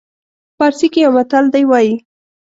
پارسي کې یو متل دی وایي.